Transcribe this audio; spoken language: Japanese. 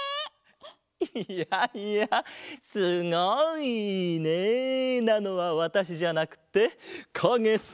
いやいや「すごいね！」なのはわたしじゃなくってかげさ。